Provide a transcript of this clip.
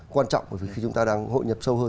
quan trọng bởi vì khi chúng ta đang hội nhập sâu hơn